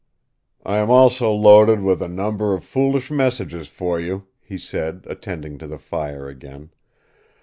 "I am also loaded down with a number of foolish messages for you," he said, attending to the fire again.